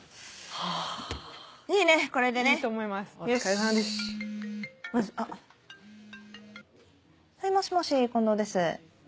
はいもしもし近藤です。